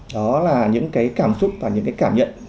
đó là những cái cảm xúc và những cái cảm nhận